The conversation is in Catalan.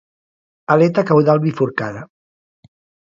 Aleta caudal bifurcada.